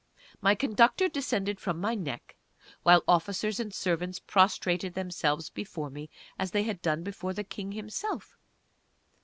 My conductor descended from my neck, while officers and servants prostrated themselves before me as they had done before the King himself.